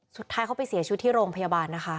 สุดท้ายเขาไปเสียชีวิตที่โรงพยาบาลนะคะ